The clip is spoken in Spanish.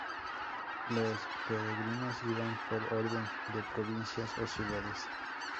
Los peregrinos iban por orden de provincias o ciudades.